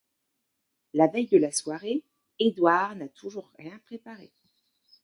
La veille de la soirée, Édouard n'a toujours rien préparé.